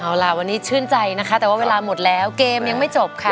เอาล่ะวันนี้ชื่นใจนะคะแต่ว่าเวลาหมดแล้วเกมยังไม่จบค่ะ